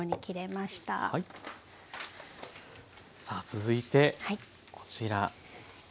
さあ続いてこちら。